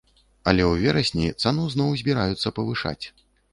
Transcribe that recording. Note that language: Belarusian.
Але ў верасні цану зноў збіраюцца павышаць.